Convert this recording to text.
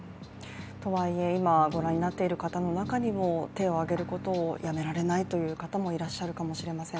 とはいえ、今、ご覧になっている方の中にも手を上げることをやめられないという方もいらっしゃるかもしれません。